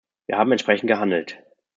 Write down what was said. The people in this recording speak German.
Wir haben entsprechend gehandelt.